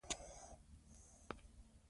دا کار ثبت شوی دی.